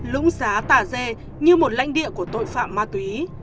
lũng xá tà dê như một lãnh địa của tội phạm ma túy